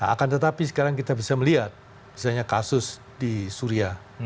akan tetapi sekarang kita bisa melihat misalnya kasus di suria